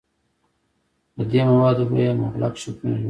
له دې موادو به یې مغلق شکلونه جوړول.